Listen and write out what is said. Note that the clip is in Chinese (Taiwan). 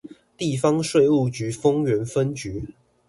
地方稅務局豐原分局